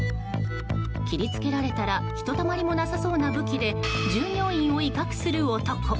切り付けられたらひとたまりもなさそうな武器で従業員を威嚇する男。